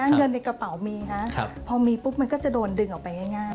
เงินในกระเป๋ามีนะพอมีปุ๊บมันก็จะโดนดึงออกไปง่าย